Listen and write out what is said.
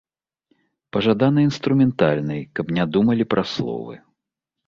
Пажадана інструментальнай, каб не думалі пра словы.